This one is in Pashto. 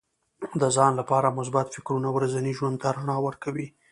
د ځان لپاره مثبت فکرونه ورځني ژوند ته رڼا ورکوي.